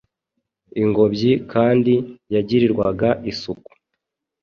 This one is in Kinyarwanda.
Ingobyi kandi yagirirwaga isuku,